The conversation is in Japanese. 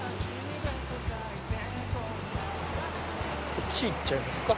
こっち行っちゃいますか。